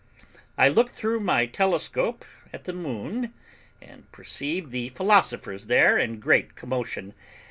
I looked through my telescope at the moon, and perceived the philosophers there in great commotion.